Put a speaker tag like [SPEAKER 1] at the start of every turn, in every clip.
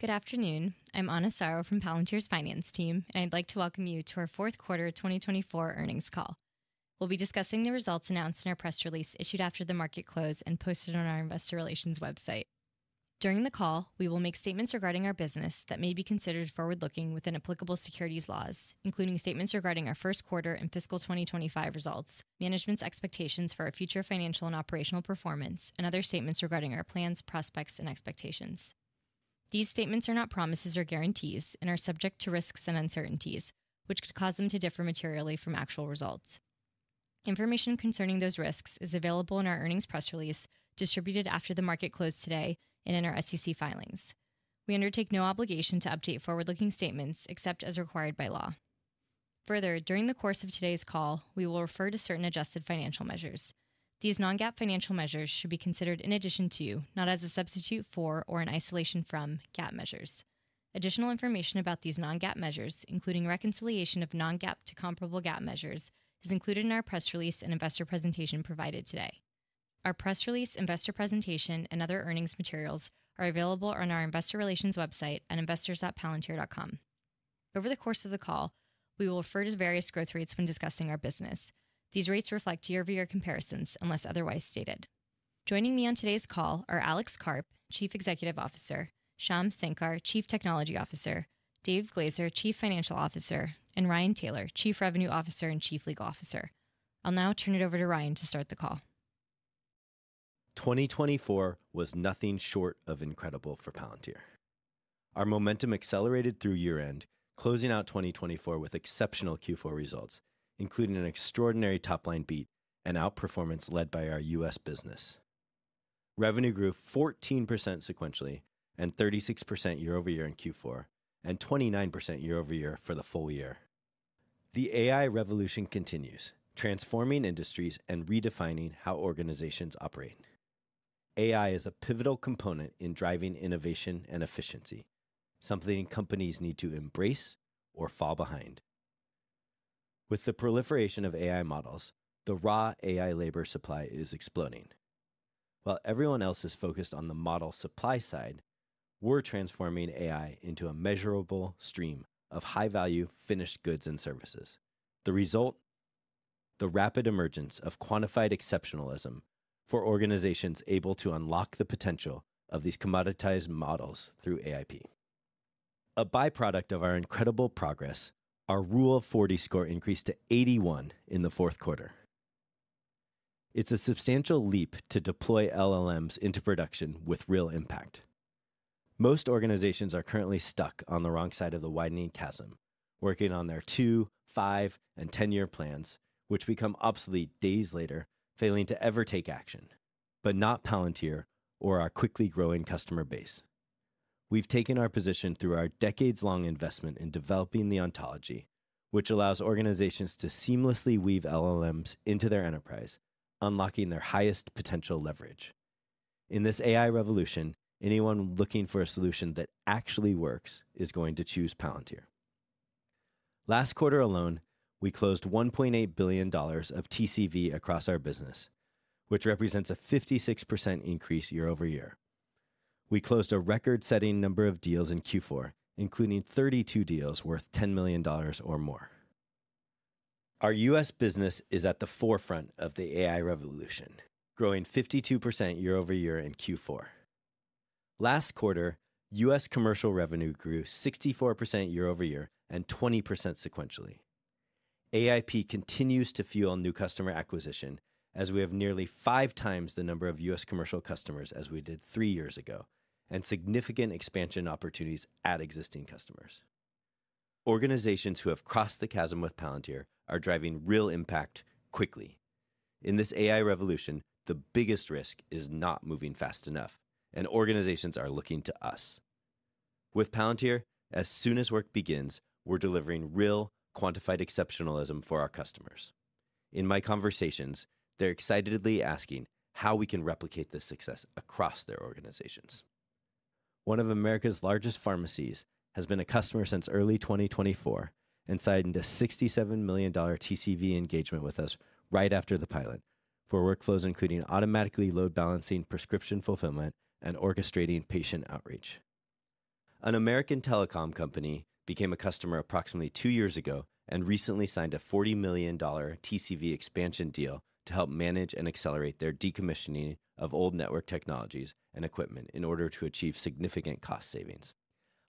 [SPEAKER 1] Good afternoon. I'm Ana Soro from Palantir's finance team and I'd like to welcome you to our fourth quarter 2024 earnings call. We'll be discussing the results announced in our press release issued after the market close and posted on our investor relations website. During the call we will make statements regarding our business that may be considered forward-looking within applicable securities laws, including statements regarding our first quarter and fiscal 2025 results, management's expectations for our future financial and operational performance, and other statements regarding our plans, prospects and expectations. These statements are not promises or guarantees and are subject to risks and uncertainties which could cause them to differ materially from actual results. Information concerning those risks is available in our earnings press release distributed after the market closed today and in our SEC filings. We undertake no obligation to update forward-looking statements except as required by law. Further, during the course of today's call we will refer to certain adjusted financial measures. These non-GAAP financial measures should be considered in addition to, not as a substitute for or in isolation from GAAP measures. Additional information about these non-GAAP measures, including reconciliation of non-GAAP to comparable GAAP measures, is included in our press release and investor presentation provided today. Our press release, investor presentation and other earnings materials are available on our investor relations website at investors.palantir.com. Over the course of the call we will refer to various growth rates when discussing our business. These rates reflect year-over-year comparisons unless otherwise stated. Joining me on today's call are Alex Karp, Chief Executive Officer, Shyam Sankar, Chief Technology Officer, David Glazer, Chief Financial Officer, and Ryan Taylor, Chief Revenue Officer and Chief Legal Officer. I'll now turn it over to Ryan to start the call.
[SPEAKER 2] 2024 was nothing short of incredible for Palantir. Our momentum accelerated through year end, closing out 2024 with exceptional Q4 results including an extraordinary top line beat and outperformance. Led by our U.S. business, revenue grew 14% sequentially and 36% year over year in Q4 and 29% year over year for the full year. The AI revolution continues transforming industries and redefining how organizations operate. AI is a pivotal component in driving innovation and efficiency, something companies need to embrace or fall behind. With the proliferation of AI models, the raw AI labor supply is exploding while everyone else is focused on the model supply side. We're transforming AI into a measurable stream of high value finished goods and services. The result? The rapid emergence of quantified exceptionalism for organizations able to unlock the potential of these commoditized models through AIP, a byproduct of our incredible progress. Our Rule of 40 score increased to 81 in the fourth quarter. It's a substantial leap to deploy LLMs into production with real impact. Most organizations are currently stuck on the wrong side of the widening chasm, working on their two, five and 10-year plans which become obsolete days later, failing to ever take action. But not Palantir or our quickly growing customer base. We've taken our position through our decades-long investment in developing the Ontology which allows organizations to seamlessly weave LLMs into their enterprise, unlocking their highest potential leverage in this AI revolution. Anyone looking for a solution that actually works is going to choose Palantir. Last quarter alone we closed $1.8 billion of TCV across our business, which represents a 56% increase year over year. We closed a record-setting number of deals in Q4, including 32 deals worth $10 million or more. Our U.S. business is at the forefront of the AI Revolution, growing 52% year over year. In Q4 last quarter, U.S. Commercial revenue grew 64% year over year and 20% sequentially. AIP continues to fuel new customer acquisition as we have nearly five times the number of U.S. Commercial customers as we did three years ago and significant expansion opportunities at existing customers. Organizations who have crossed the chasm with Palantir are driving real impact quickly in this AI revolution. The biggest risk is not moving fast enough and organizations are looking to us with Palantir as soon as work begins. We're delivering real quantified exceptionalism for our customers. In my conversations, they're excitedly asking how we can replicate this success across their organizations. One of America's largest pharmacies has been a customer since early 2024 and signed a $67 million TCV engagement with us right after the pilot for workflows including automatically load balancing prescription fulfillment and orchestrating patient outreach. An American telecom company became a customer approximately two years ago and recently signed a $40 million TCV expansion deal to help manage and accelerate their decommissioning of old network technologies and equipment in order to achieve significant cost savings.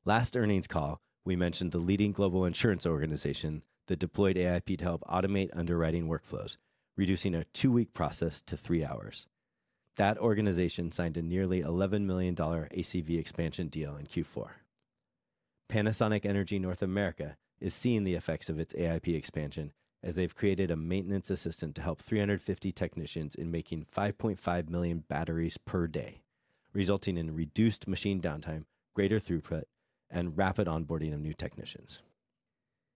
[SPEAKER 2] Last earnings call we mentioned the leading global insurance organization that deployed AIP to help automate underwriting workflows, reducing a two-week process to three hours. That organization signed a nearly $11 million ACV expansion deal in Q4. Panasonic Energy North America is seeing the effects of its AIP expansion as they've created a maintenance assistant to help 350 technicians in making 5.5 million batteries per day, resulting in reduced machine downtime, greater throughput and rapid onboarding of new technicians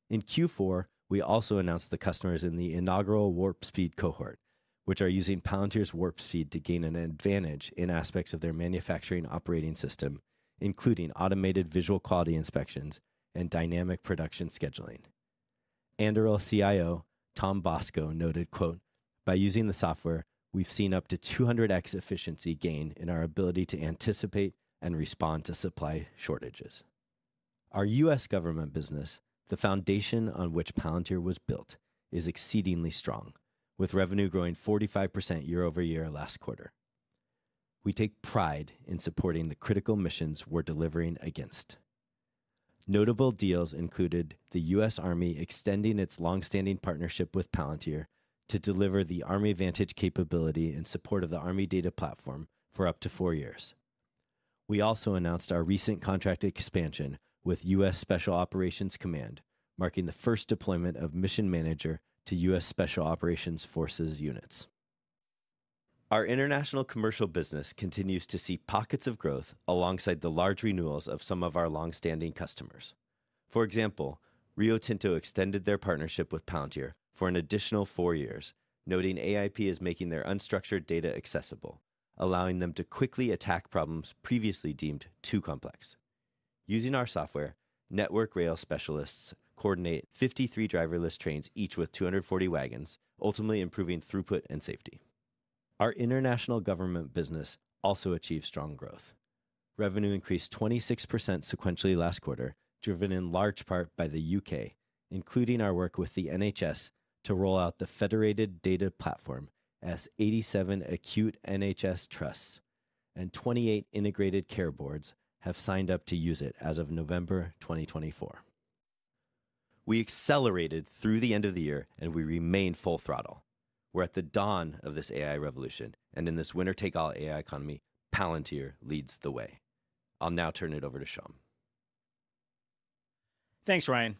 [SPEAKER 2] in Q4. We also announced the customers in the inaugural Warp Speed Cohort which are using Palantir's Warp Speed to gain an advantage in aspects of their manufacturing operating system, including automated visual quality inspections and dynamic production scheduling. Anduril's CIO Tom Bosco noted, "By using the software we've seen up to 200x efficiency gain in our ability to anticipate and respond to supply shortages." Our U.S. Government business, the foundation on which Palantir was built, is exceedingly strong, with revenue growing 45% year over year last quarter. We take pride in supporting the critical missions we're delivering against. Notable deals included the U.S. Army extending its long-standing partnership with Palantir to deliver the Army Vantage capability in support of the Army Data Platform for up to four years. We also announced our recent contract expansion with U.S. Special Operations Command, marking the first deployment of Mission Manager to U.S. Special Operations Forces units. Our international commercial business continues to see pockets of growth alongside the large renewals of some of our long-standing customers. For example, Rio Tinto extended their partnership with Palantir for an additional four years, noting AIP is making their unstructured data accessible, allowing them to quickly attack problems previously deemed too complex. Using our software, Network Rail specialists coordinate 53 driverless trains, each with 240 wagons, ultimately improving throughput and safety. Our international government business also achieved strong growth. Revenue increased 26% sequentially last quarter, driven in large part by the U.K., including our work with the NHS to roll out the Federated Data Platform, as 87 acute NHS trusts and 28 integrated care boards have signed up to use it. As of November 2024, we accelerated through the end of the year and we remain full throttle. We're at the dawn of this AI revolution and in this winner take all AI economy, Palantir leads the way. I'll now turn it over to Shyam.
[SPEAKER 3] Thanks, Ryan.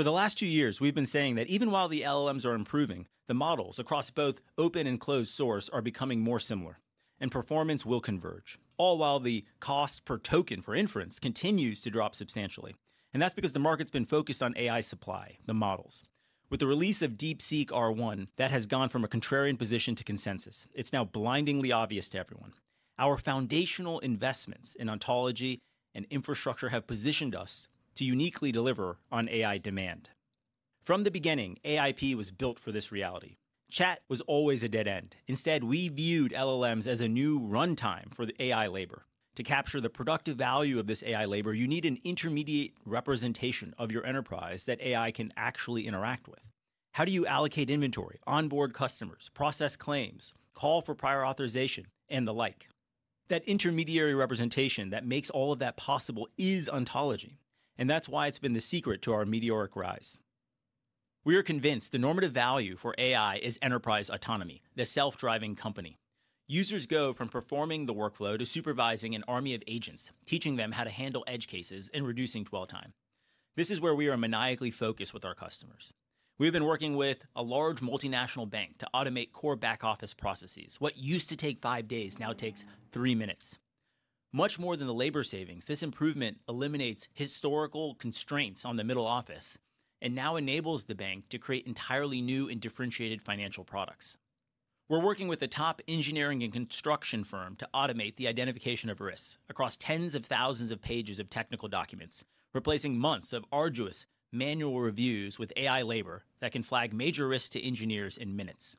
[SPEAKER 3] For the last two years we've been saying that even while the LLMs are improving, the models across both open and closed source are becoming more similar and performance will converge. All while the cost per token for inference continues to drop substantially, and that's because the market's been focused on AI supply. The models with the release of DeepSeek R1 that has gone from a contrarian position to consensus. It's now blindingly obvious to everyone our foundational investments in Ontology and infrastructure have positioned us to uniquely deliver on AI demand. From the beginning, AIP was built for this reality. Chat was always a dead end. Instead, we viewed LLMs as a new runtime for the AI labor. To capture the productive value of this AI labor, you need an intermediate representation of your enterprise that AI can actually interact with how do you allocate inventory, onboard customers, process claims, call for prior authorization and the like? That intermediary representation that makes all of that possible is Ontology. And that's why it's been the secret to our meteoric rise. We are convinced the normative value for AI is enterprise autonomy. The self-driving company users go from performing the workflow to supervising an army of agents, teaching them how to handle edge cases and reducing dwell time. This is where we are maniacally focused with our customers. We've been working with a large multinational bank to automate core back office processes. What used to take five days now takes three minutes, much more than the labor savings. This improvement eliminates historical constraints on the middle office and now enables the bank to create entirely new and differentiated financial products. We're working with a top engineering and construction firm to automate the identification of risks across tens of thousands of pages of technical documents, replacing months of arduous manual reviews with AI labor that can flag major risks to engineers in minutes.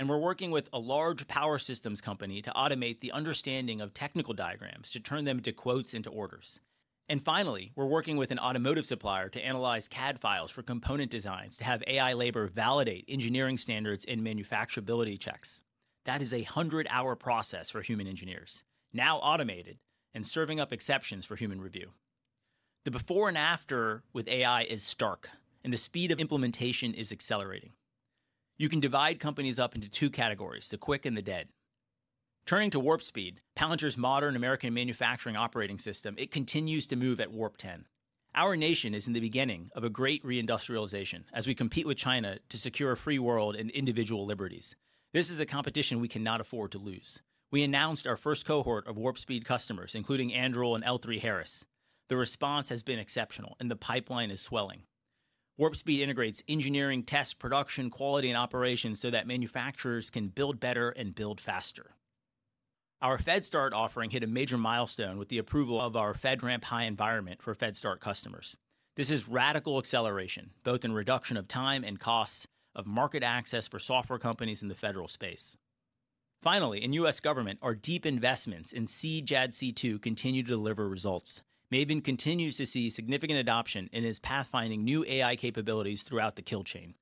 [SPEAKER 3] And we're working with a large power systems company to automate the understanding of technical diagrams to turn them to quotes into orders. And finally, we're working with an automotive supplier to analyze CAD files for component designs to have AI labor validate engineering standards and manufacturability checks. That is a 100-hour process for human engineers, now automated and serving up exceptions for human review. The before and after with AI is stark and the speed of implementation is accelerating. You can divide companies up into two categories, the quick and the dead. Turning to Warp Speed. Palantir's modern American manufacturing operating system. It continues to move at Warp 10. Our nation is in the beginning of a great reindustrialization as we compete with China to secure a free world and individual liberties. This is a competition we cannot afford to lose. We announced our first cohort of Warp Speed customers, including Anduril and L3Harris. The response has been exceptional and the pipeline is swelling. Warp Speed integrates engineering, test, production, quality and operations so that manufacturers can build better and build faster. Our FedStart offering hit a major milestone with the approval of our FedRAMP High environment for FedStart customers. This is radical acceleration both in reduction of time and costs of market access for software companies in the federal space. Finally, in U.S. government. Our deep investments in CJADC2 continue to deliver results and Maven continues to see significant adoption in its pathfinding new AI capabilities throughout the kill chain.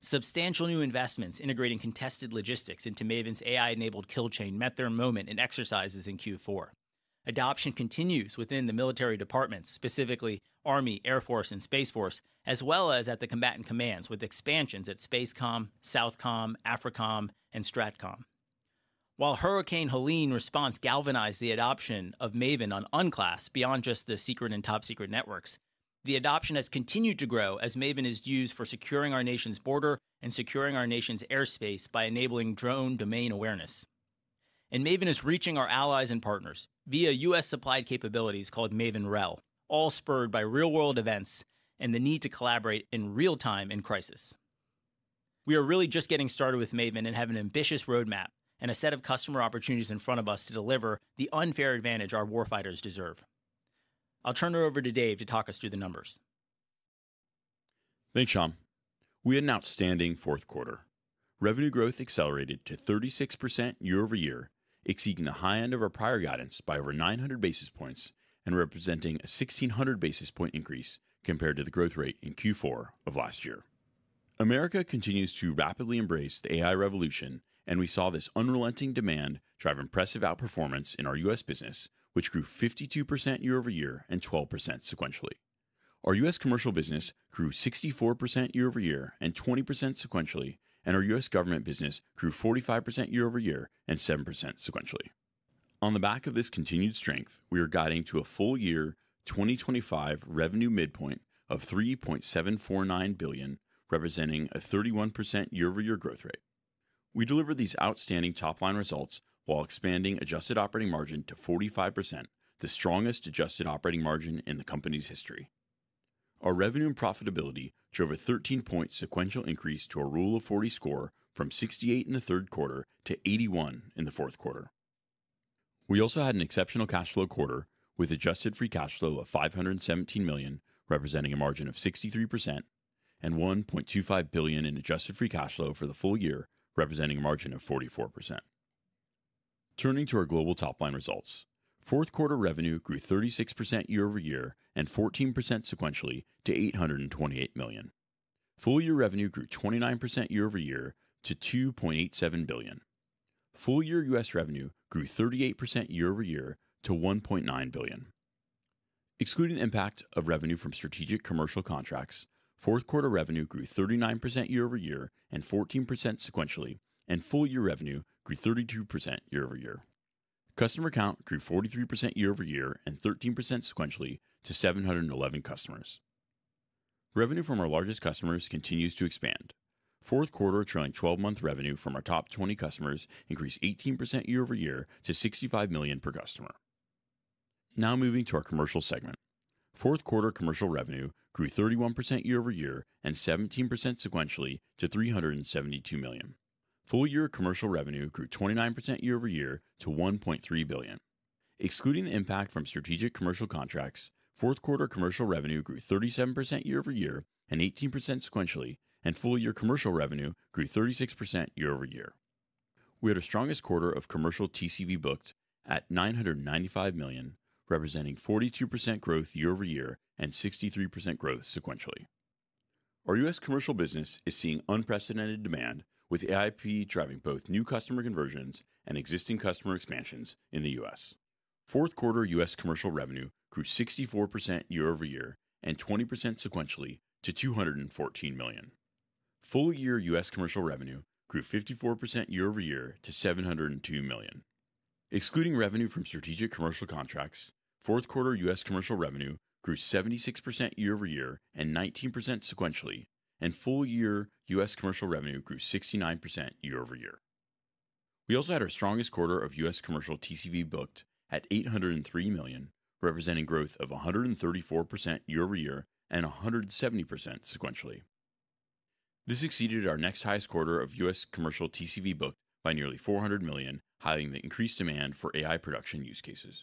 [SPEAKER 3] Substantial new investments integrating contested logistics into Maven's AI enabled kill chain met their moment in exercises in Q4. Adoption continues within the military departments, specifically Army, Air Force and Space Force as well as at the Combatant Commands with expansions at SPACECOM, SOUTHCOM, AFRICOM and STRATCOM. While Hurricane Helene response galvanized the adoption of Maven on Unclass beyond just the Secret and Top Secret networks, the adoption has continued to grow as Maven is used for securing our nation's border and securing our nation's airspace by enabling drone domain awareness and Maven is reaching our allies and partners via U.S. supplied capabilities called Maven REL, all spurred by real world events and the need to collaborate in real time in crisis. We are really just getting started with Maven and have an ambitious roadmap and a set of customer opportunities in front of us to deliver the unfair advantage our warfighters deserve. I'll turn it over to Dave to talk us through the numbers.
[SPEAKER 4] Thanks Shyam. We had an outstanding fourth quarter revenue growth accelerated to 36% year over year, exceeding the high end of our prior guidance by over 900 basis points and representing a 1600 basis point increase compared to the growth rate in Q4 of last year. America continues to rapidly embrace the AI revolution and we saw this unrelenting demand turn drive impressive outperformance in our U.S. business which grew 52% year over year and 12% sequentially. Our U.S. Commercial business grew 64% year over year and 20% sequentially and our U.S. government business grew 45% year over year and 7% sequentially. On the back of this continued strength we are guiding to a full year 2025 revenue midpoint of $3.749 billion representing a 31% year over year growth rate. We delivered these outstanding top line results while expanding adjusted operating margin to 45%, the strongest adjusted operating margin in the company's history. Our revenue and profitability drove a 13-point sequential increase to our Rule of 40 score from 68 in the third quarter to 81 in the fourth quarter. We also had an exceptional cash flow quarter with adjusted free cash flow of $517 million representing a margin of 63% and $1.25 billion in adjusted free cash flow for the full year representing a margin of 44%. Turning to our global top line results, fourth quarter revenue grew 36% year over year and 14% sequentially to $828 million. Full year revenue grew 29% year over year to $2.87 billion. Full year U.S. revenue grew 38% year over year to $1.9 billion excluding the impact of revenue from strategic commercial contracts. Fourth quarter revenue grew 39% year over year and 14% sequentially and full year revenue grew 32% year over year. Customer count grew 43% year over year and 13% sequentially to 711 customers. Revenue from our largest customers continues to expand. Fourth quarter trailing 12 month revenue from our top 20 customers increased 18% year over year to $65 million per customer. Now moving to our commercial segment. Fourth quarter commercial revenue grew 31% year over year and 17% sequentially to $372 million. Full year commercial revenue grew 29% year over year to $1.3 billion excluding the impact from strategic commercial contracts. Fourth quarter commercial revenue grew 37% year over year and 18% sequentially and full year commercial revenue grew 36% year over year. We had our strongest quarter of commercial TCV booked at $995 million, representing 42% growth year over year and 63% growth sequentially. Our U.S. Commercial business is seeing unprecedented demand with AIP driving both new customer conversions and existing customer expansions in the U.S. Fourth quarter U.S. Commercial revenue grew 64% year over year and 20% sequentially to $214 million. Full year U.S. Commercial revenue grew 54% year over year to $702 million excluding revenue from strategic commercial contracts. Fourth quarter U.S. Commercial revenue grew 76% year over year and 19% sequentially and full year U.S. Commercial revenue grew 69% year over year. We also had our strongest quarter of U.S. Commercial TCV booked at $803 million, representing growth of 134% year over year and 170% sequentially. This exceeded our next highest quarter of U.S. Commercial TCV booked by nearly $400 million, highlighting the increased demand for AI production use cases.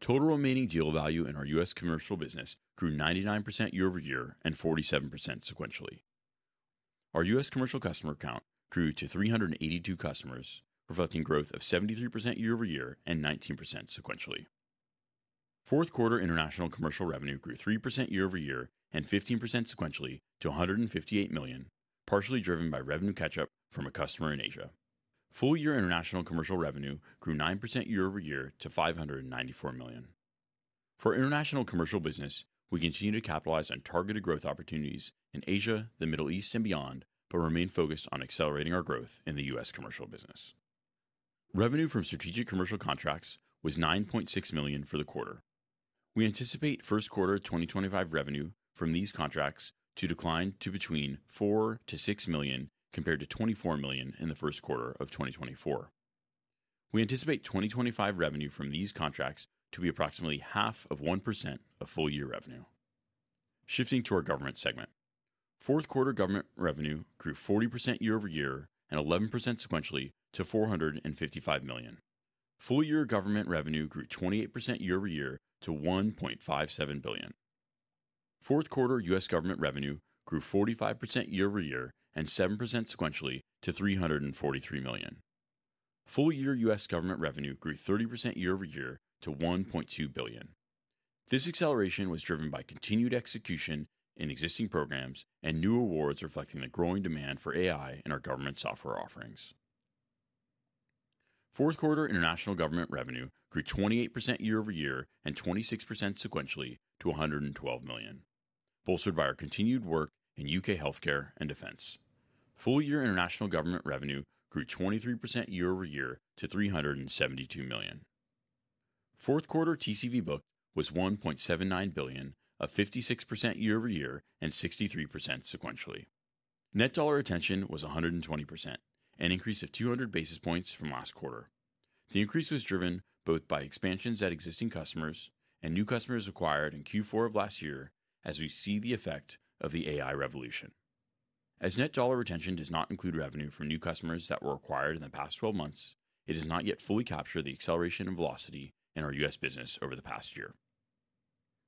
[SPEAKER 4] Total remaining deal value in our U.S. Commercial business grew 99% year over year and 47% sequentially. Our U.S. Commercial customer count grew to 382 customers reflecting growth of 73% year over year and 19% sequentially. Fourth quarter international commercial revenue grew 3% year over year and 15% sequentially to $158 million, partially driven by revenue catch up from a customer in Asia. Full year international commercial revenue grew 9% year over year to $594 million. For international commercial business, we continue to capitalize on targeted growth opportunities in Asia, the Middle East and beyond, but remain focused on accelerating our growth. In the U.S. Commercial business, revenue from strategic commercial contracts was $9.6 million for the quarter. We anticipate first quarter 2025 revenue from these contracts to decline to between $4 million to $6 million compared to $24 million in the first quarter of 2024. We anticipate 2025 revenue from these contracts to be approximately 0.5% of full year revenue. Shifting to our government segment. Fourth quarter government revenue grew 40% year over year and 11% sequentially to $455 million. Full year government revenue grew 28% year over year to $1.57 billion. Fourth quarter U.S. government revenue grew 45% year over year and 7% sequentially to $343 million. Full year U.S. government revenue grew 30% year over year to $1.2 billion. This acceleration was driven by continued execution in existing programs and new awards, reflecting the growing demand for AI in our government software offerings. Fourth quarter international government revenue grew 28% year over year and 26% sequentially to $112 million, bolstered by our continued work in U.K. healthcare and defense. Full year international government revenue grew 23% year over year to $372 million. Fourth quarter TCV booked was $1.79 billion, up 56% year over year and 63% sequentially. Net dollar retention was 120%, an increase of 200 basis points from last quarter. The increase was driven both by expansions at existing customers and new customers acquired in Q4 of last year as we see the effect of the AI revolution. As net dollar retention does not include revenue from new customers that were acquired in the past 12 months, it has not yet fully captured the acceleration in velocity in our U.S. business over the past year.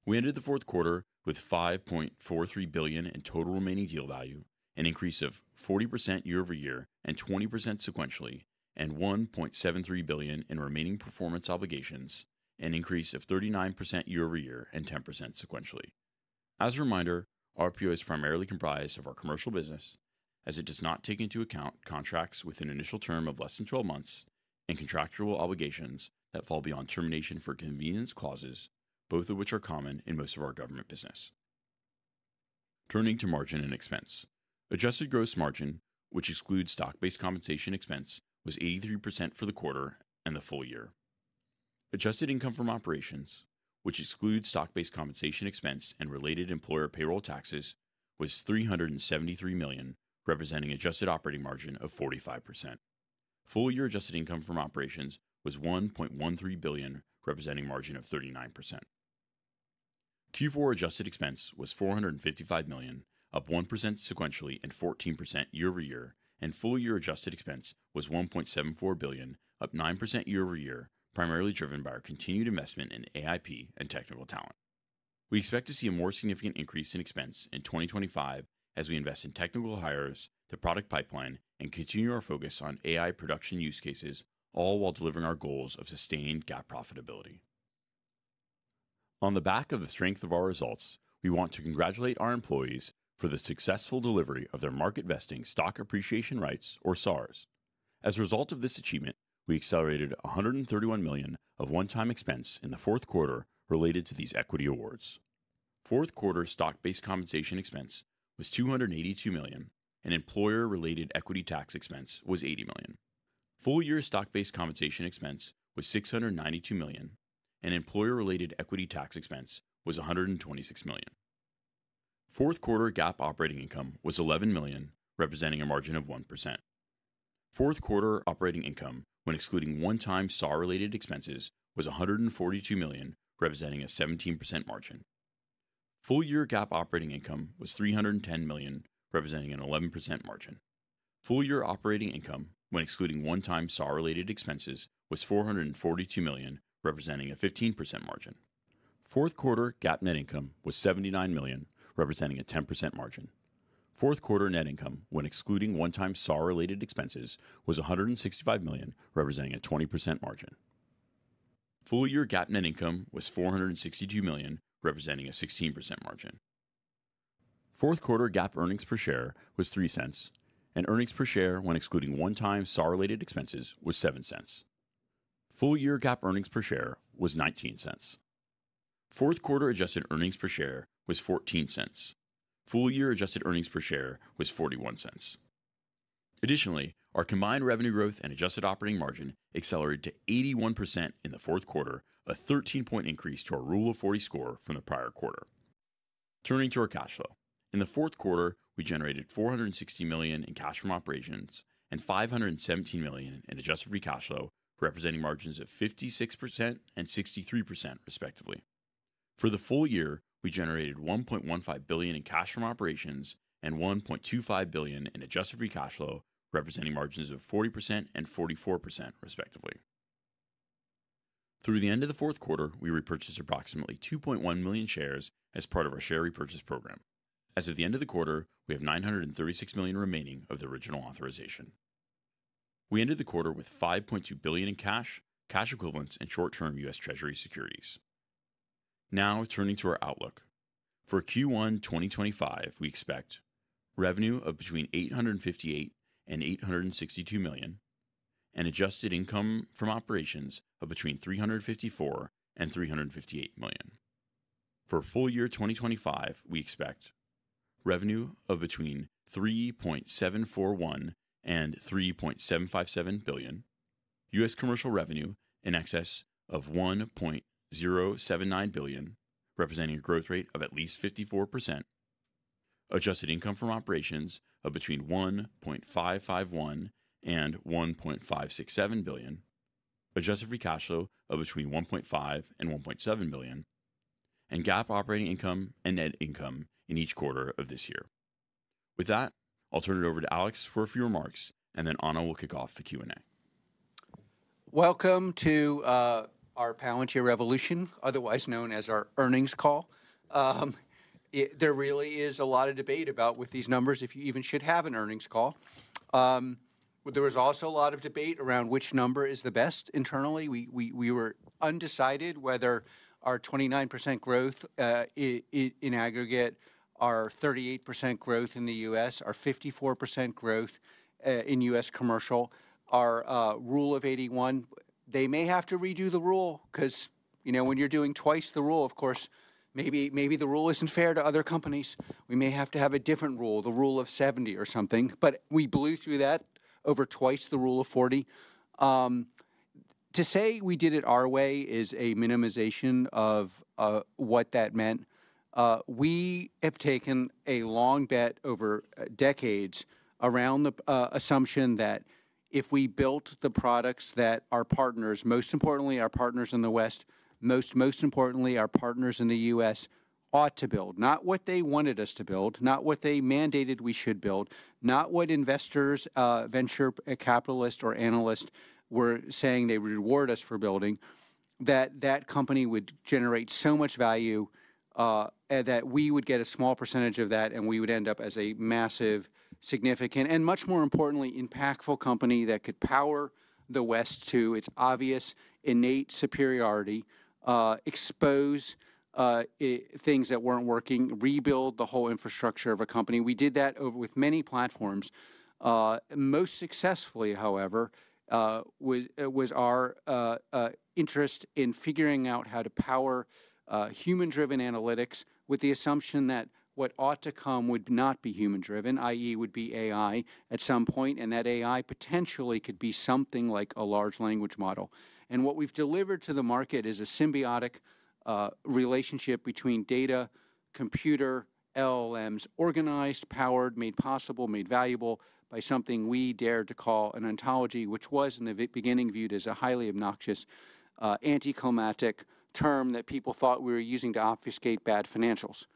[SPEAKER 4] We ended the fourth quarter with $5.43 billion in total remaining deal value, an increase of 40% year over year and 20% sequentially and $1.73 billion in remaining performance obligations, an increase of 39% year over year and 10% sequentially. As a reminder, RPO is primarily comprised of our commercial business as it does not take into account contracts with an initial term of less than 12 months and contractual obligations that fall beyond termination for convenience clauses, both of which are common in most of our government business. Turning to margin and expense, adjusted gross margin, which excludes stock-based compensation expense, was 83% for the quarter and the full year. Adjusted income from operations, which excludes stock-based compensation expense and related employer payroll taxes, was $373 million, representing adjusted operating margin of 45%. Full year adjusted income from operations was $1.13 billion, representing margin of 39%. Q4 adjusted expense was $455 million, up 1% sequentially and 14% year over year, and full year adjusted expense was $1.74 billion, up 9% year over year. Primarily driven by our continued investment in AIP and technical talent. We expect to see a more significant increase in expense in 2025 as we invest in technical hires, the product pipeline and continue our focus on AI production use cases, all while delivering our goals of sustained GAAP profitability. On the back of the strength of our results, we want to congratulate our employees for the successful delivery of their market-vesting stock appreciation rights or SARs. As a result of this achievement, we accelerated $131 million of one-time expense in the fourth quarter related to these equity awards. Fourth quarter stock-based compensation expense was $282 million and employer-related equity tax expense was $80 million. Full-year stock-based compensation expense was $692 million and employer-related equity tax expense is $126 million. Fourth quarter GAAP operating income was $11 million, representing a margin of 1%. Fourth quarter operating income when excluding one-time SAR-related expenses was $142 million representing a 17% margin. Full year GAAP operating income was $310 million representing an 11% margin. Full year operating income when excluding one-time SAR-related expenses was $442 million representing a 15% margin. Fourth quarter GAAP net income was $79 million representing a 10% margin. Fourth quarter net income when excluding one-time SAR-related expenses was $165 million representing a 20% margin. Full year GAAP net income was $462 million representing a 16% margin. Fourth quarter GAAP earnings per share was $0.03 and earnings per share when excluding one-time SAR-related expenses was $0.07. Full year GAAP earnings per share was $0.19. Fourth quarter adjusted earnings per share was $0.14. Full year adjusted earnings per share was $0.41. Additionally, our combined revenue growth and adjusted operating margin accelerated to 81% in the fourth quarter, a 13 point increase to our Rule of 40 score from the prior quarter. Turning to our cash flow, in the fourth quarter we generated $460 million in cash from operations and $517 million in adjusted free cash flow representing margins of 56% and 63% respectively. For the full year we generated $1.15 billion in cash from operations and $1.25 billion in adjusted free cash flow representing margins of 40% and 44% respectively. Through the end of the fourth quarter, we repurchased approximately 2.1 million shares as part of our share repurchase program. As of the end of the quarter, we have $936 million remaining of the original authorization. We ended the quarter with $5.2 billion in cash, cash equivalents and short-term U.S. treasury securities. Now turning to our outlook for Q1 2025, we expect revenue of between $858-$862 million and adjusted income from operations of between $354-$358 million. For full year 2025, we expect revenue of between $3.741-$3.757 billion, U.S. Commercial revenue in excess of $1.079 billion, representing a growth rate of at least 54%, adjusted income from operations of between $1.551-$1.567 billion, adjusted free cash flow of between $1.5-$1.7 billion, and GAAP operating income and net income in each quarter of this year. With that, I'll turn it over to Alex for a few remarks and then Ana will kick off the Q and A.
[SPEAKER 5] Welcome to our Palantir Revolution, otherwise known as our earnings call. There really is a lot of debate about with these numbers if you even should have an earnings call. There was also a lot of debate around which number is the best. Internally we were undecided whether our 29% growth in aggregate, our 38% growth in the U.S., our 54% growth in U.S. Commercial, our Rule of 81. They may have to redo the rule because you know, when you're doing twice the rule. Of course, maybe, maybe the rule isn't fair to other companies. We may have to have a different rule, the Rule of 70 or something, but we blew through that over twice. The Rule of 40. To say we did it our way is a minimization of what that meant. We have taken a long bet over decades around the assumption that if we built the products that our partners, most importantly our partners in the West, most, most importantly our partners in the U.S. ought to build. Not what they wanted us to build, not what they mandated we should build, not what investors, venture capitalist or analyst were saying they reward us for building, that that company would generate so much value that we would get a small percentage of that and we would end up as a massive, significant and much more importantly impactful company that could power the West to its obvious innate superiority, expose things that weren't working, rebuild the whole infrastructure of a company. We did that over with many platforms. Most successfully, however, was our interest in figuring out how to power human-driven analytics with the assumption that what ought to come would not be human-driven, that it would be AI at some point, and that AI potentially could be something like a large language model, and what we've delivered to the market is a symbiotic relationship between data, compute, LLMs, organized, powered, made possible, made valuable by something we dared to call an Ontology, which was in the beginning viewed as a highly obnoxious, anticlimactic term that people thought we were using to obfuscate bad financials,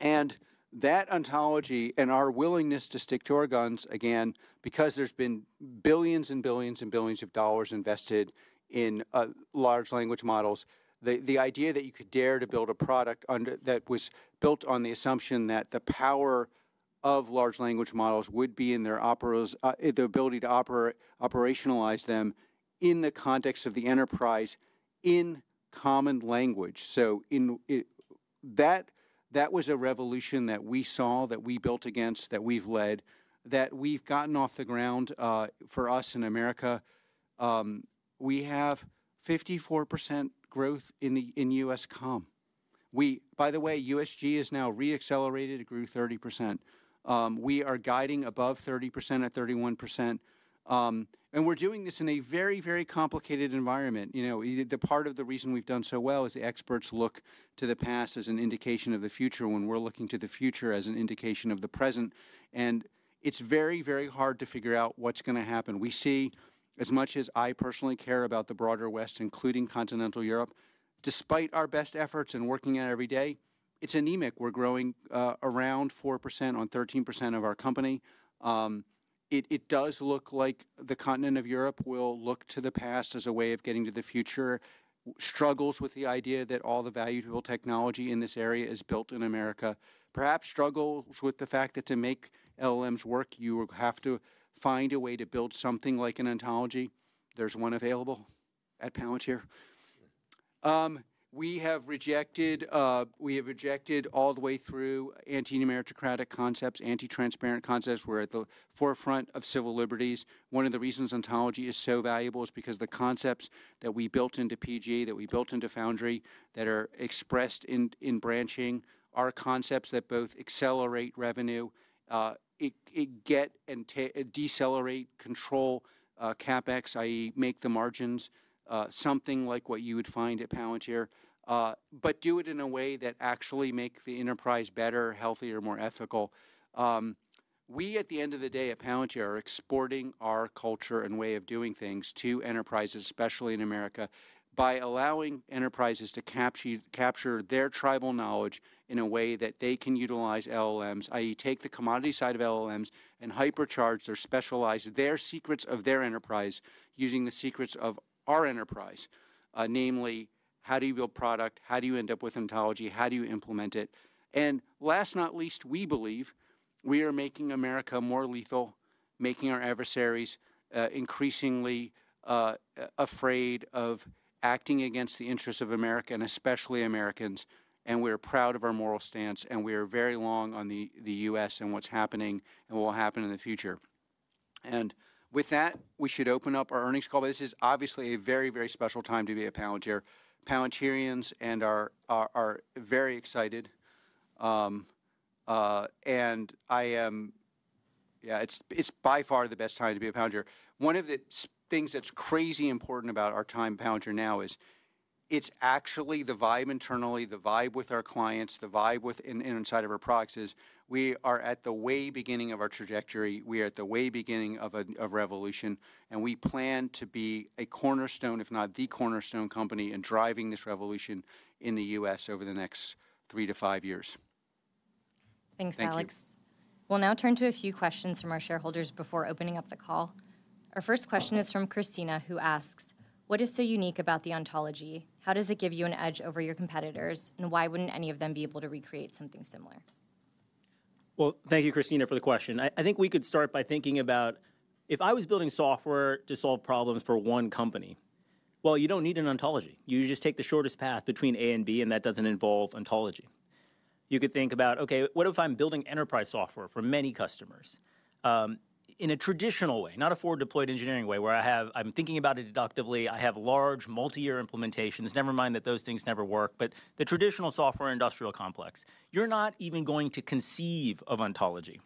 [SPEAKER 5] and that Ontology and our willingness to stick to our guns again because there's been billions and billions and billions of dollars invested in large language models. The idea that you could dare to build a product that was built on the assumption that the power of large language models would be in their operators, their ability to operate, operationalize them in the context of the enterprise in common language. That was a revolution that we saw, that we built against, that we've led, that we've gotten off the ground. For us in America, we have 54% growth in U.S. Comm. We, by the way, USG is now re-accelerated, it grew 30%. We are guiding above 30% at 31%. We're doing this in a very, very complicated environment. You know, the part of the reason we've done so well is the experts look to the past as an indication of the future. When we're looking to the future as an indication of the present. It's very, very hard to figure out what's going to happen. We see, as much as I personally care about the broader West, including continental Europe, despite our best efforts and working out every day, it's anemic. We're growing around 4% on 13% of our company. It does look like the continent of Europe will look to the past as a way of getting to the future. It struggles with the idea that all the valuable technology in this area is built in America, perhaps struggles with the fact that to make LLMs work, you have to find a way to build something like an Ontology. There's one available at Palantir. We have rejected all the way through anti-meritocratic concepts, anti-transparent concepts. We're at the forefront of civil liberties. One of the reasons Ontology is so valuable is because the concepts that we built into AIP, that we built into Foundry, that are expressed in branching are concepts that both accelerate revenue, get and decelerate control CapEx, i.e. make the margins something like what you would find at Palantir, but do it in a way that actually make the enterprise better, healthier, more ethical. We at the end of the day at Palantir are exporting our culture and way of doing things to enterprises, especially in America, by allowing enterprises to capture their tribal knowledge in a way that they can utilize LLMs, that is take the commodity side of LLMs and hypercharged or specialized their secrets of their enterprise using the secrets of our enterprise, namely how do you build product, how do you end up with Ontology, how do you implement it? And last, not least, we believe we are making America more lethal, making our adversaries increasingly afraid of acting against the interests of America and especially Americans. And we are proud of our moral stance and we are very long on the U.S. and what's happening in and what will happen in the future. And with that we should open up our earnings call. This is obviously a very, very special time to be a Palantirian. Palantirians are very excited and I am. Yeah, it's by far the best time to be a Palantirian. One of the things that's crazy important about our time at Palantir now is it's actually the vibe internally, the vibe with our clients, the vibe inside of our products is we are at the very beginning of our trajectory. We are at the very beginning of revolution and we plan to be a cornerstone, if not the cornerstone company in driving this revolution in the U.S. over the next three to five years.
[SPEAKER 1] Thanks, Alex. We'll now turn to a few questions from our shareholders before opening up the call. Our first question is from Christina, who asks, what is so unique about the Ontology? How does it give you an edge over your competitors, and then why wouldn't any of them be able to recreate something similar?
[SPEAKER 3] Thank you Christina for the question. I think we could start by thinking about if I was building software to solve problems for one company. You don't need an Ontology. You just take the shortest path between A and B and that doesn't involve Ontology. You could think about, okay, what if I'm building enterprise software for many customers in a traditional way, not a forward deployed engineering way where I'm thinking about it deductively. I have large multi year implementations, nevermind that those things never work. But the traditional software industrial complex, you're not even going to conceive of Ontology.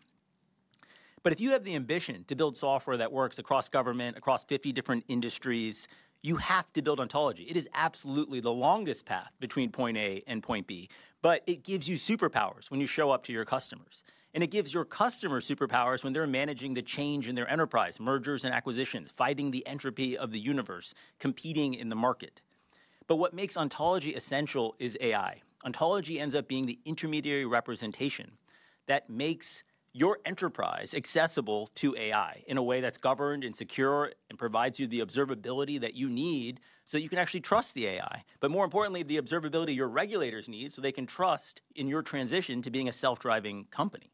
[SPEAKER 3] But if you have the ambition to build software that works across government, across 50 different industries. You have to build Ontology. It is absolutely the longest path between point A and point B. But it gives you superpowers when you show up to your customers. And it gives your customers superpowers when they're managing the change in their enterprise. Mergers and acquisitions, fighting the entropy of the universe, competing in the market. But what makes Ontology essential is AI. Ontology ends up being the intermediary representation that makes your enterprise accessible to AI in a way that's governed and secure and provides you the observability that you need so you can actually trust the AI. But more importantly the observability your regulators need so they can trust in your transition to being a self driving company.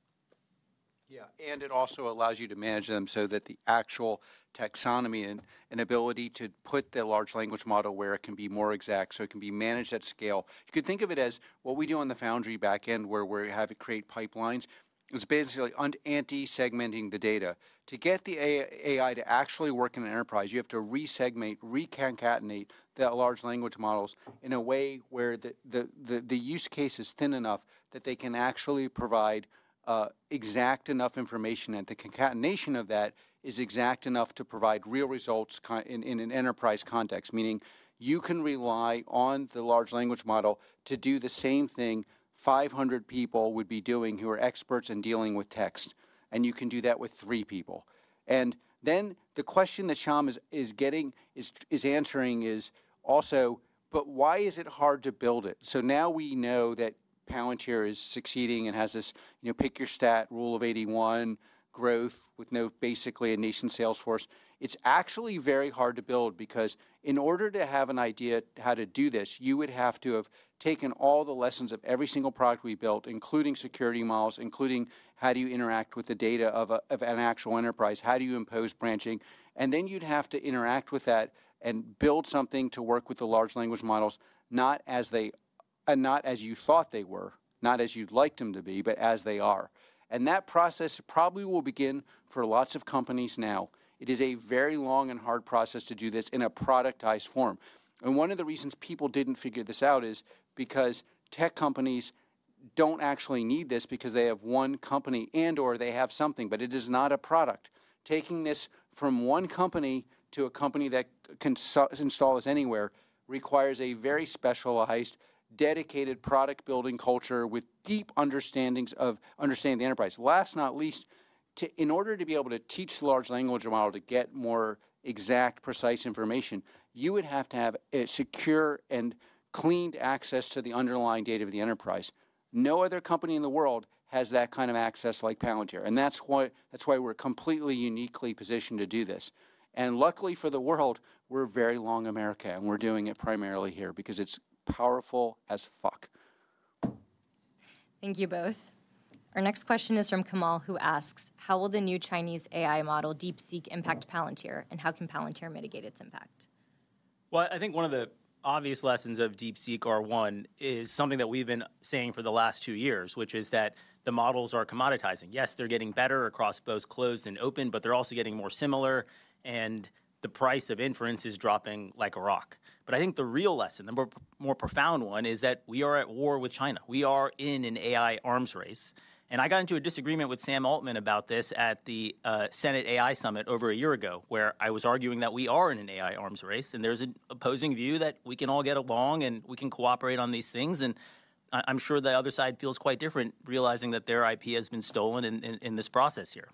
[SPEAKER 5] Yeah. And it also allows you to manage them so that the actual technology taxonomy and ability to put the large language model where it can be more exact, so it can be managed at scale. You could think of it as what we do on the Foundry back end where we have it create pipelines is basically anti-segmenting the data to get the AI to actually work in an enterprise. You have to re-segment, reconcatenate the large language models in a way where the use case is thin enough that they can actually provide exact enough information at the concatenation of that is exact enough to provide real results in an enterprise context. Meaning you can rely on the large language model to do the same thing 500 people would be doing who are experts in dealing with text. And you can do that with three people. And then the question that Shyam is answering is also but why is it hard to build it? So now we know that Palantir is succeeding and has this pick your stat Rule of 81 growth with basically no nascent sales force. It's actually very hard to build because in order to have an idea how to do this, you would have to have taken all the lessons of every single product we built, including security models, including how do you interact with the data of an actual enterprise. How do you impose branching? And then you'd have to interact with that and build something to work with the large language models not as they are, not as you thought they were, not as you'd like them to be, but as they are. And that process probably will begin for lots of companies now. It is a very long and hard process to do this in a productized form. And one of the reasons people didn't figure this out is because tech companies don't actually need this because they have one company and or they have something, but it is not a product. Taking this from one company to a company that can install this anywhere requires a very specialized, dedicated product building culture with deep understandings of the enterprise. Last not least, in order to be able to teach the large language model to get more exact, precise information, you would have to have a secure and cleaned access to the underlying data of the enterprise. No other company in the world has that kind of access like Palantir. And that's why we're completely uniquely positioned to do this. Luckily for the world, we're very long America and we're doing it primarily here because it's powerful as fuck.
[SPEAKER 1] Thank you both. Our next question is from Kamal who asks how will the new Chinese AI model DeepSeek impact Palantir and how can Palantir mitigate its impact?
[SPEAKER 3] I think one of the obvious lessons of DeepSeek R1 is something that we've been saying for the last two years, which is that the models are commoditizing. Yes, they're getting better across both closed and open, but they're also getting more similar and the price of inference is dropping like a rock. But I think the real lesson, the more profound one, is that we are at war with China. We are in an AI arms race. And I got into a disagreement with Sam Altman about this at the Senate AI Summit over a year ago where I was arguing that we are in an AI arms race and there's an opposing view that we can all get along and we can cooperate on these things. And I'm sure the other side feels quite different realizing that their IP has been stolen in this process here.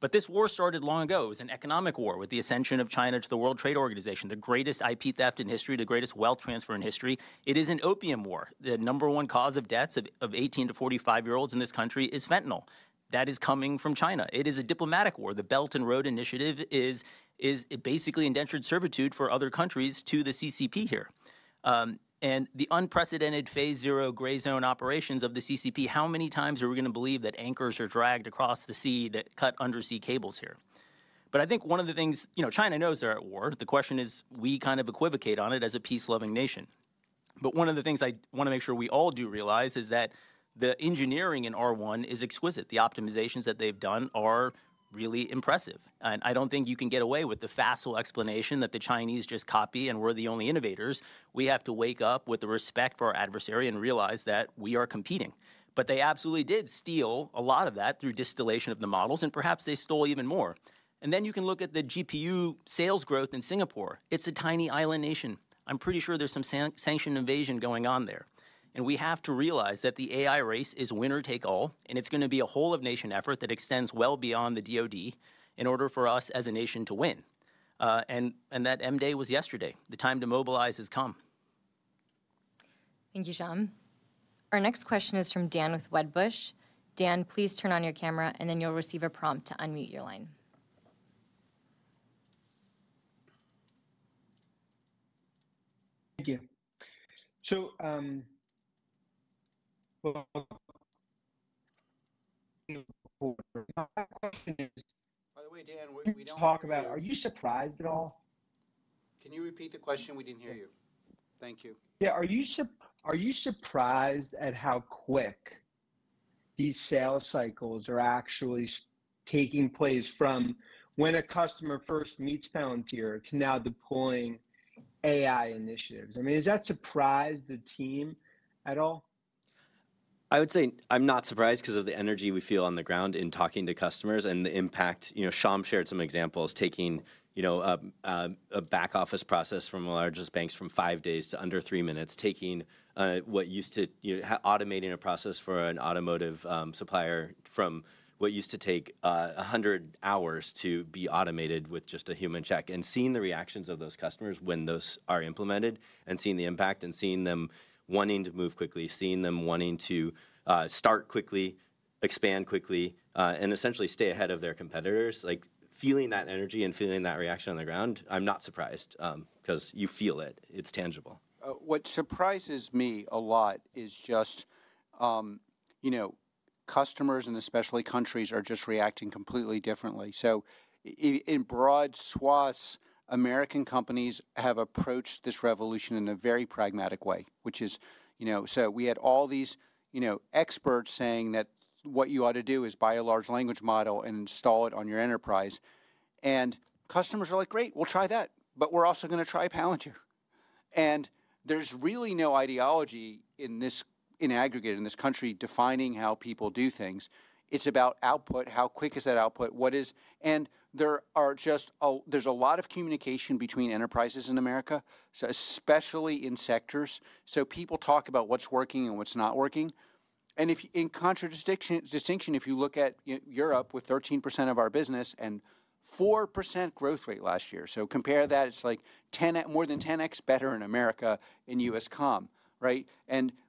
[SPEAKER 3] But this war started long ago. It was an economic war with the ascension of China to the World Trade Organization. The greatest IP theft in history, the greatest wealth transfer in history. It is an Opium War. The number one cause of deaths of 18- to 45-year-olds in this country is fentanyl that is coming from China. It is a diplomatic war. The Belt and Road Initiative is basically indentured servitude for other countries to the CCP here. And the unprecedented phase zero gray zone operations of the CCP. How many times are we going to believe that anchors are dragged across the sea that cut undersea cables here? But I think one of the things, you know, China knows they're at war. The question is we kind of equivocate on it as a peace-loving nation. But one of the things I want to make sure we all do realize is that the engineering in R1 is exquisite. The optimizations that they've done are really impressive. And I don't think you can get away with the facile explanation that the Chinese just copy. And we're the only innovators. We have to wake up with the respect for our adversary and realize that we are competing. But they absolutely did steal a lot of that through distillation of the models and perhaps they stole even more. And then you can look at the GPU sales growth in Singapore. It's a tiny island nation. I'm pretty sure there's some sanctioned invasion going on there. And we have to realize that the AI race is winner take all. It's going to be a whole of nation effort that extends well beyond the DoD in order for us as a nation to win. That M-Day was yesterday. The time to mobilize has come.
[SPEAKER 1] Thank you, Shyam. Our next question is from Dan with Wedbush. Dan, please turn on your camera and then you'll receive a prompt to unmute your line.
[SPEAKER 6] Thank you. So.
[SPEAKER 5] [Is this a bad] call? Can you repeat the question? We didn't hear you. Thank you.
[SPEAKER 6] Yeah. Are you, are you surprised at how quick these sales cycles are actually taking place from when a customer first meets Palantir to now deploying AI initiatives? I mean, is that surprise the team at all?
[SPEAKER 2] I would say I'm not surprised because of the energy we feel on the ground in talking to customers and the impact, you know, Shyam shared some examples. Taking, you know, a back office process from the largest banks from five days to under three minutes, taking what used to automating a process for an automotive supplier from what used to take 100 hours to be automated with just a human check and seeing the reactions of those customers when those are implemented and seeing the impact and seeing them wanting to move quickly, seeing them wanting to start quickly, expand quickly and essentially stay ahead of their competitors, like feeling that energy and feeling that reaction on the ground. I'm not surprised because you feel it, it's tangible.
[SPEAKER 5] What surprises me a lot is just, you know, customers and especially countries are just reacting completely differently. So in broad swaths, American companies have approached this revolution in a very pragmatic way, which is, you know, so we had all these experts saying that what you ought to do is buy a large language model and install it on your enterprise. And customers are like, great, we'll try that. But we're also going to try Palantir. And there's really no ideology in aggregate in this country defining how people do things. It's about output. How quick is that output? What is. There's a lot of communication between enterprises in America, especially in sectors. So people talk about what's working and what's not working. In contradistinction, if you look at Europe with 13% of our business and 4% growth rate last year, so compare that. It's like more than 10x better in America. In U.S. Comm,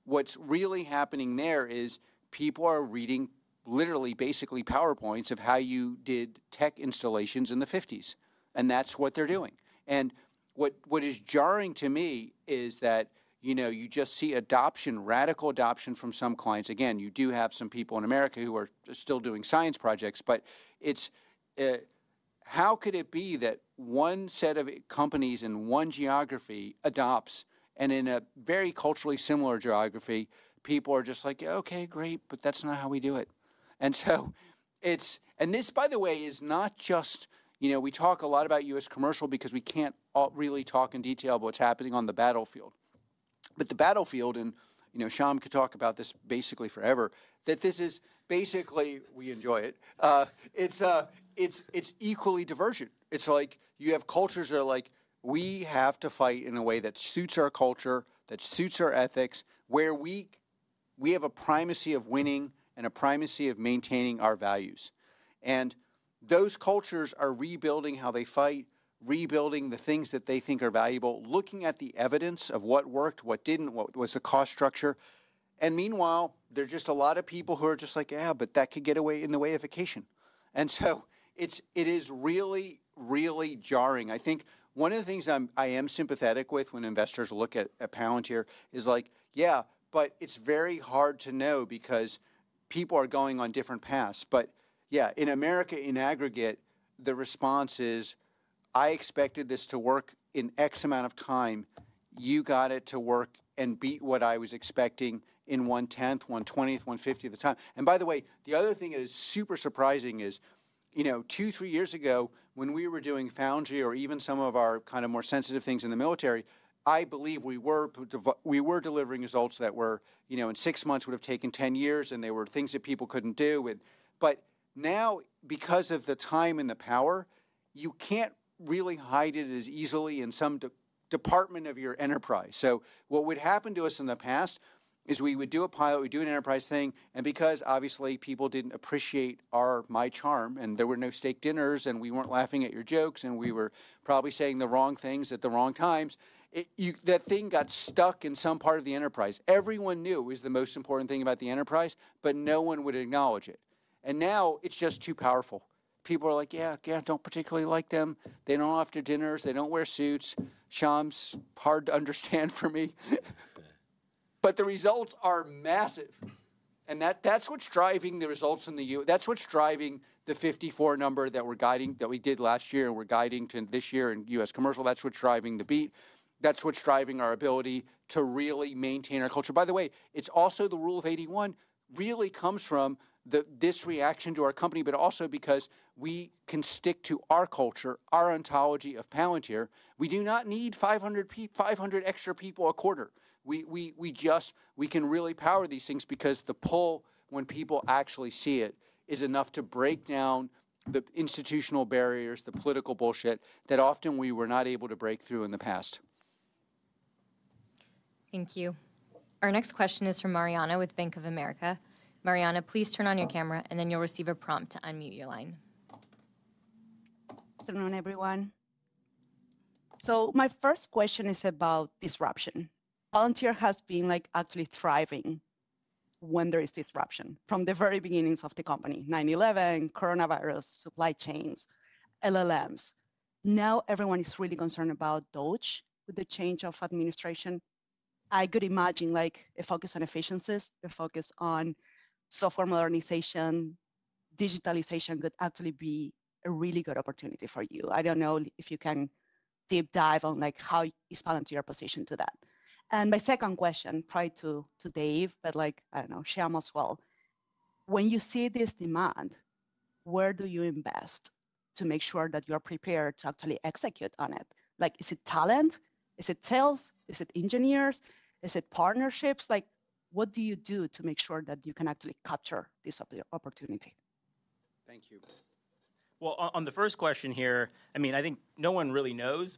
[SPEAKER 5] what's really happening there is people are reading, literally, basically, PowerPoints of how you did tech installations in the 1950s. And that's what they're doing. And what is jarring to me is that you just see adoption, radical adoption from some clients. Again, you do have some people in America who are still doing science projects. But how could it be that one set of companies in one geography adopts, and in a very culturally similar geography, people are just like, okay, great, but that's not how we do it. And so it's. And this, by the way, is not just, you know, we talk a lot about U.S. Commercial because we can't really talk in detail about what's happening on the battlefield, but the battlefield and, you know, Shyam could talk about this basically forever. That this is basically, we enjoy it. It's equally divergent. It's like you have cultures that are like, we have to fight in a way that suits our culture, that suits our ethics, where we have a primacy of winning and a primacy of maintaining our values. And those cultures are rebuilding how they fight, rebuilding the things that they think are valuable. Looking at the evidence of what worked, what didn't, what was the cost structure, and. And meanwhile, there's just a lot of people who are just like, yeah, but that could get in the way of vacation. And so it is really, really jarring. I think one of the things I am sympathetic with when investors look at Palantir is like, yeah, but it's very hard to know because people are going on different paths. But yeah, in America, in aggregate, the response is, I expected this to work in an amount of time. You got it to work and beat what I was expecting in one tenth, one twentieth, one fiftieth of the time. And by the way, the other thing that is super surprising is, you know, two, three years ago, when we were doing Foundry or even some of our kind of more sensitive things in the military, I believe we were delivering results that were, you know, in six months would have taken 10 years. And there were things that people couldn't do. But now, because of the time and the power, you can't really hide it as easily in some department of your enterprise. So what would happen to us in the past is we would do a pilot, we'd do an enterprise thing. And because obviously people didn't appreciate my charm and there were no steak dinners and we weren't laughing at your jokes and we were probably saying the wrong things at the wrong times. That thing got stuck in some part of the enterprise. Everyone knew it is the most important thing about the enterprise, but no one would acknowledge it. And now it's just too powerful. People are like, yeah, don't particularly like them, they don't offer dinners, they don't wear suits. Shyam's hard to understand for me, but the results are massive. And that's what's driving the results in the. That's what's driving the 54 number that we're guiding, that we did last year and we're guiding to this year in U.S. Commercial. That's what's driving the beat. That's what's driving our ability to really maintain our culture. By the way, it's also the Rule of 81 really comes from this reaction to our company. But also because we can stick to our culture, our Ontology of Palantir. We do not need 500 extra people a quarter. We just, we can really power these things because the pull when people actually see it is enough to break down the institutional barriers, the political bullshit that often we were not able to break through in the past.
[SPEAKER 1] Thank you. Our next question is from Mariana with Bank of America. Mariana, please turn on your camera and then you'll receive a prompt to unmute your line.
[SPEAKER 7] [Hello] everyone. My first question is about disruption. Palantir has been like actually thriving when there is disruption from the very beginnings of the company: 9/11, coronavirus, supply chains, LLMs. Now everyone is really concerned about DOGE. With the change of administration, I could imagine a focus on efficiencies, a focus on software modernization. Digitalization could actually be a really good opportunity for you. I don't know if you can deep dive on how expand your position to that? My second question probably to Dave, but I don't know Shyam as well. When you see this demand, where do you invest to make sure that you are prepared to actually execute on it? Like is it talent, is it sales, is it engineers, is it partnerships? What do you do to make sure that you can actually capture this opportunity? Thank you.
[SPEAKER 3] On the first question here, I mean I think no one really knows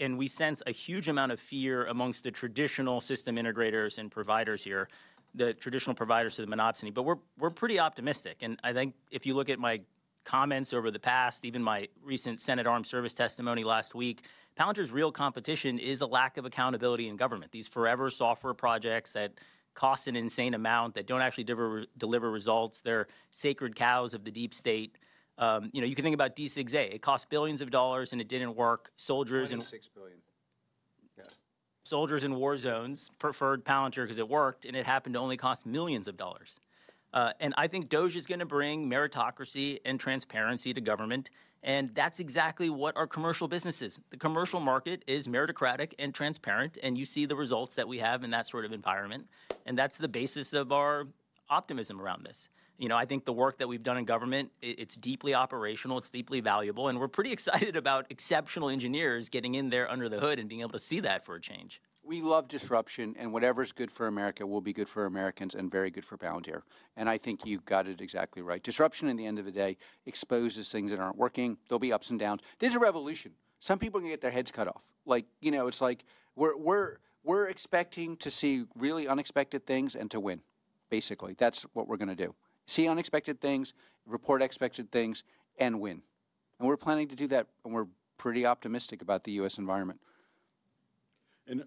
[SPEAKER 3] and we sense a huge amount of fear amongst the traditional system integrators. And providers here, the traditional providers to the monopsony. But we're pretty optimistic. And I think if you look at my comments over the past, even my recent Senate Armed Services testimony last week, Palantir's real competition is a lack of accountability in government. These forever software projects that cost an insane amount, that don't actually deliver results. They're sacred cows of the deep state. You know, you can think about DCGS-A. It cost $6 billion and it didn't work. Soldiers in war zones preferred Palantir because it worked and it happened to only cost millions of dollars. And I think DOGE is going to bring meritocracy and transparency to government. And that's exactly what our commercial business is. The commercial market is meritocratic and transparent, and you see the results that we have in that sort of environment, and that's the basis of our optimism around this. I think the work that we've done in government. It's deeply operational. It's deeply valuable, and we're pretty excited about exceptional engineers getting in there under the hood and being able to see that for a change.
[SPEAKER 5] We love disruption and whatever's good for America will be good for Americans and very good for Palantir. I think you got it exactly right. Disruption at the end of the day exposes things that aren't working. There'll be ups and downs, there's a revolution. Some people can get their heads cut off. Like, you know, it's like we're expecting to see really unexpected things and to win. Basically, that's what we're going to do. See unexpected things, report expected things and win. We're planning to do that. We're pretty optimistic about the U.S. environment.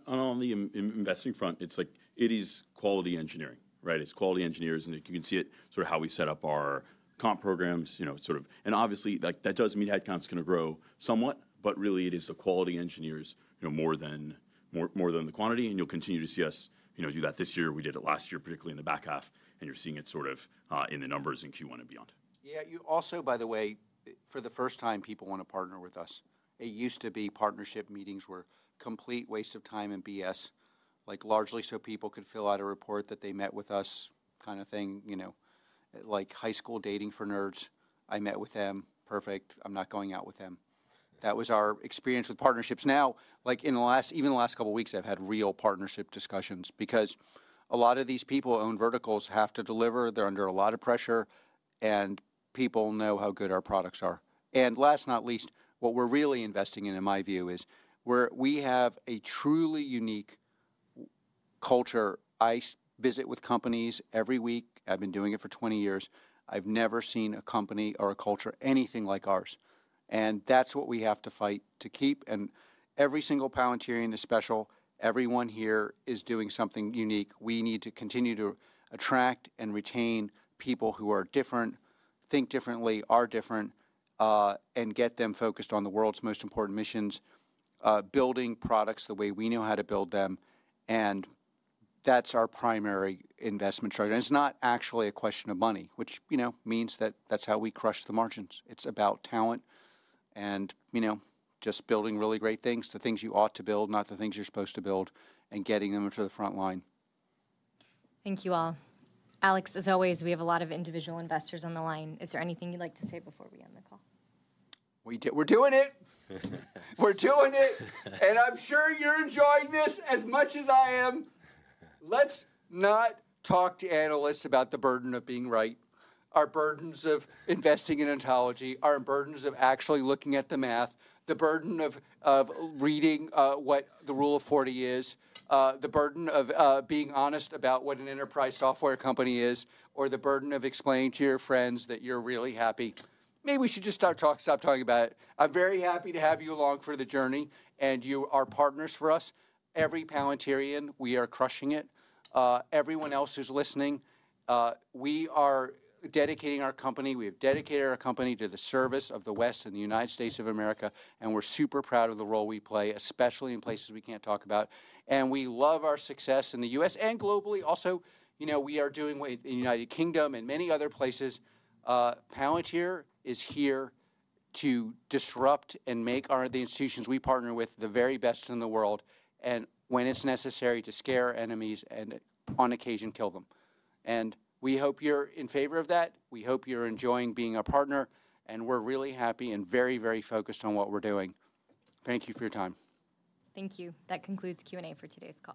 [SPEAKER 4] On the investing front, it's like it is quality engineering, right? It's quality engineers. You can see it sort of how we set up our comp programs, you know, sort of. Obviously that does mean headcount is going to grow somewhat, but really it is the quality engineers, you know, more than the quantity. You'll continue to see us, you know, do that this year. We did it last year, particularly in the back half. You're seeing it sort of in the numbers in Q1 and beyond.
[SPEAKER 5] Yeah, you also, by the way, for the first time, people want to partner with us. It used to be partnership meetings were complete waste of time and BS, like largely so people could fill out a report that they met with us kind of thing, you know, like high school dating for nerds. I met with them. Perfect. I'm not going out with them. That was our experience with partnerships. Now, like in the last. Even the last couple weeks, I've had real partnership discussions because a lot of these people own verticals, have to deliver, they're under a lot of pressure and. And people know how good our products are. And last, not least, what we're really investing in, in my view, is we have a truly unique culture. I visit with companies every week. I've been doing it for 20 years. I've never seen a company or a culture anything like ours. And that's what we have to fight to keep. And every single Palantirian is special. Everyone here is doing something unique. We need to continue to attract and retain people who are different, think differently, are different, and get them focused on the world's most important missions. Building products the way we know how to build them. And that's our primary investment chart. It's not actually a question of money, which, you know, means that that's how we crush the margins. It's about talent and, you know, just building really great things, the things you ought to build, not the things you're supposed to build and getting them to the front line.
[SPEAKER 1] Thank you all. Alex, as always, we have a lot of individual investors on the line. Is there anything you'd like to say before we end the call?
[SPEAKER 5] We're doing it. We're doing it. And I'm sure you're enjoying this as much as I am. Let's not talk to analysts about the burden of being right. Our burdens of investing in Ontology, our burdens of actually looking at the math, the burden of reading what the Rule of 40 is, the burden of being honest about what an enterprise software company is, or the burden of explaining to your friends that you're really happy. Maybe we should just start talking. Stop talking about it. I'm very happy to have you along for the journey. And you are partners for us. Every Palantirian, we are crushing it. Everyone else who's listening, we are dedicating our company. We have dedicated our company to the service of the West and the United States of America. And we're super proud of the role we play, especially in places we can't talk about. And we love our success in the U.S. and globally. Also, you know, we are doing in the United Kingdom and many other places, Palantir is here to disrupt and make the institutions. We partner with the very best in the world. And when it's necessary to scare enemies and on occasion, kill them. And we hope you're in favor of that. We hope you're enjoying being a partner. And we're really happy and very, very focused on what we're doing. Thank you for your time.
[SPEAKER 1] Thank you. That concludes Q&A for today's call.